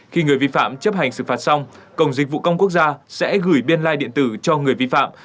khi người vi phạm chấp hành xử phạt xong cổng dịch vụ công quốc gia sẽ gửi biên lai điện tử cho người vi phạm